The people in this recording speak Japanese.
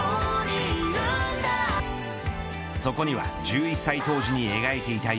そこには１１歳当時に描いていた夢。